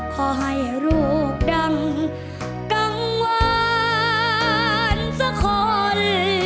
ขอให้รูปดังกังวันสะคน